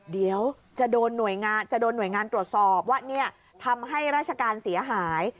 เดี๋ยวจะโดนหน่วยงานตรวจสอบว่าเนี่ยทำให้ราชการเสียหาย